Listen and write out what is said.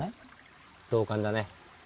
同感だね。